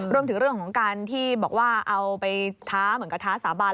เรื่องของการที่บอกว่าเอาไปท้าเหมือนกับท้าสาบาน